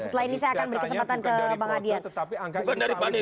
setelah ini saya akan beri kesempatan ke bang adian